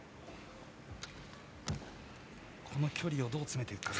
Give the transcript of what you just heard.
この距離をどう詰めるか。